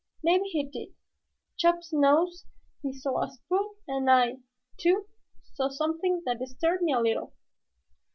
Maybe he did. Chops knows he saw a spook and I, too, saw something that disturbed me a little."